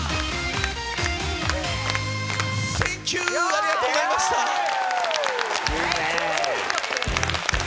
ありがとうございましたいいね